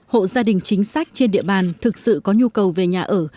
hộ gia đình chính sách trên địa bàn thực sự có nhu cầu về nhà ở